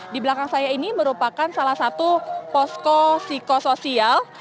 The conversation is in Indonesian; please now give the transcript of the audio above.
di belakang saya ini merupakan salah satu posko psikosoial